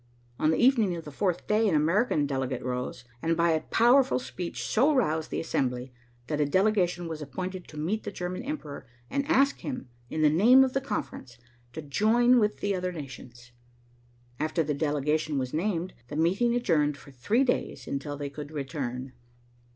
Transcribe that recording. On the evening of the fourth day, an American delegate rose, and by a powerful speech so roused the assembly that a delegation was appointed to meet the German Emperor and ask him, in the name of the conference, to join with the other nations. After the delegation was named, the meeting adjourned for three days, until they could return.